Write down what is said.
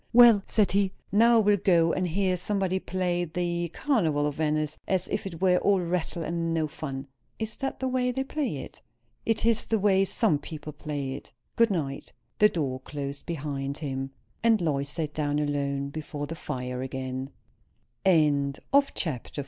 "Well," said he, "now I will go and hear somebody play the 'Carnival of Venice,' as if it were all rattle and no fun." "Is that the way they play it?" "It is the way some people play it. Good night." The door closed after him, and Lois sat down alone before the fire again. CHAPTER XLIV.